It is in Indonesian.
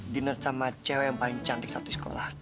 dinner sama cewek yang paling cantik satu sekolah